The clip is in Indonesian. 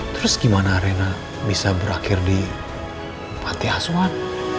terus gimana reina bisa berakhir di pantai aswan